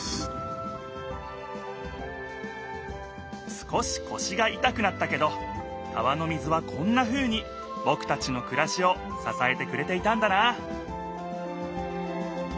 少しこしがいたくなったけど川の水はこんなふうにぼくたちのくらしをささえてくれていたんだな